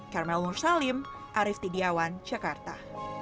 karmel mursalim arief tidiawan jakarta